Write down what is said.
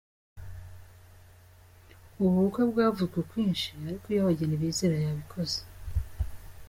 Ubu bukwe bwavuzwe ukwinshi ariko ‘iyo abageni bizera yabikoze’.